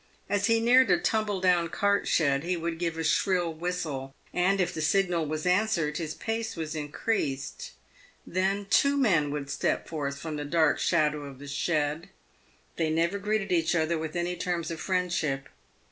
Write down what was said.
As he neared a tumble down cart shed, he would give a shrill whistle, and, if the signal was answered, his pace was increased. Then two men would step forth from the dark shadow of the shed. They never greeted each other with any terms of friendship.